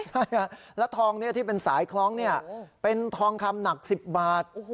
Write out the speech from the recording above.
ใช่แล้วทองนี้ที่เป็นสายคล้องเป็นทองคำหนัก๑๐บาท